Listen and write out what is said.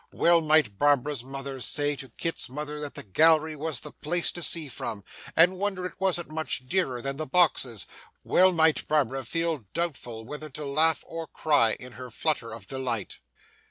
Well might Barbara's mother say to Kit's mother that the gallery was the place to see from, and wonder it wasn't much dearer than the boxes; well might Barbara feel doubtful whether to laugh or cry, in her flutter of delight.